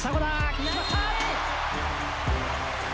決まった！